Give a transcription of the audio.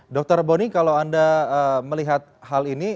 dr boni kalau anda melihat hal ini